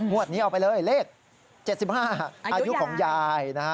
มวดนี้เอาไปเลยเลข๗๕อายุของยาย